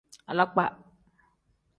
Alakpa.